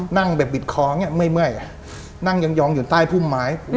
นั่งแบบบิดคอเนี่ยเมื่อยนั่งยองอยู่ใต้ภูมิหมาย